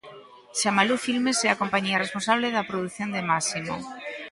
Xamalú Filmes é a compañía responsable da produción de Máximo.